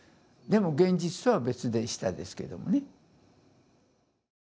でも現実とは別でしたですけどもね。